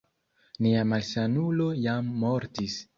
Nia malsanulo jam mortis